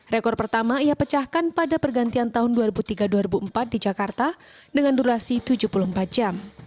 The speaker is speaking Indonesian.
rekor pertama ia pecahkan pada pergantian tahun dua ribu tiga dua ribu empat di jakarta dengan durasi tujuh puluh empat jam